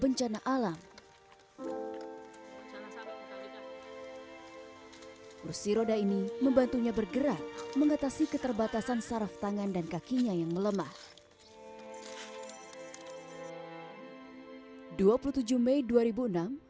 dua puluh tujuh mei dua ribu enam adalah duka tengah yang menangis dan menangis seorang wanita tangguh yang berjuang melawan sisa luka bencana alam